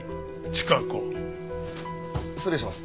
失礼します。